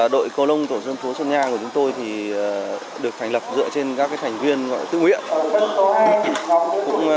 đội cầu lông tổ dân phố xuân nhang của chúng tôi thì được thành lập dựa trên các thành viên tư nguyện